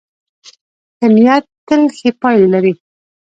ښه نیت تل ښې پایلې لري.